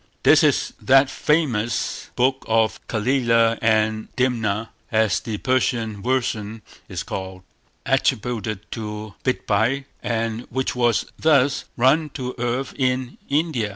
This is that famous book of Calila and Dimna, as the Persian version is called, attributed to Bidpai, and which was thus run to earth in India.